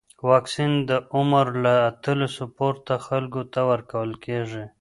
واکسن د عمر له اتلسو پورته خلکو ته ورکول کېږي.